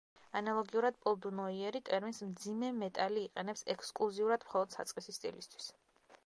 ანალოგიურად, პოლ დუ ნოიერი ტერმინს „მძიმე მეტალი“ იყენებს ექსკლუზიურად მხოლოდ საწყისი სტილისთვის.